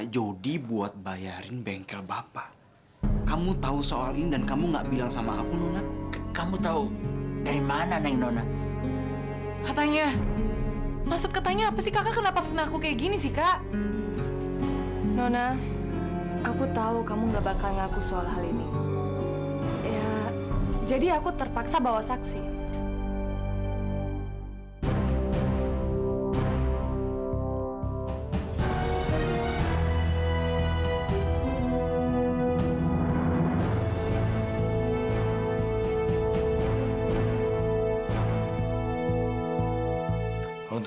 jangan bawa tanya ke dalam kebohongan kamu itu